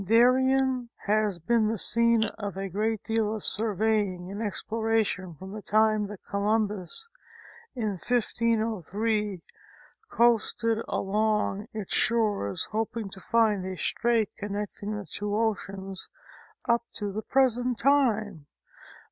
Darien has been the scene of a great deal of surveying and ex ploration from the time that Columbus, in 1503, coasted along its shores, hoping to find a strait connecting the two oceans, up to the present time.